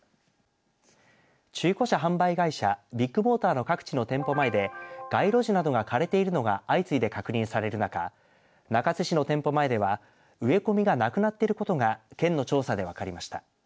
中古車販売会社ビッグモーターの各地の店舗前で街路樹などが枯れているのが相次いで確認される中中津市の店舗前では植え込みがなくなっていることが県の調査で分かりました。